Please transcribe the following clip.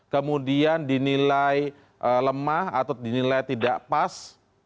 kemudian dinilai lemah atau dinilai tidak pas